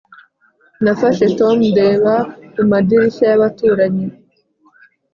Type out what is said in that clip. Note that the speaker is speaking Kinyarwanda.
[nafashe tom ndeba mu madirishya y'abaturanyi.